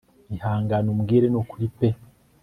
ihangane umbwire nukuri pe